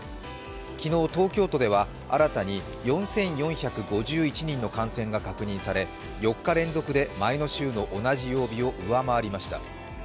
昨日、東京都では新たに４４５１人の感染が確認され、４日連続で前の週の同じ曜日を上回りました。